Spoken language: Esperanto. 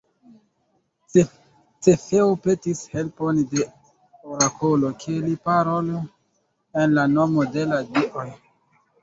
Cefeo petis helpon de orakolo, ke li parolu en la nomo de la dioj.